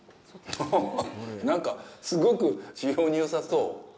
なんか、すごく滋養によさそう。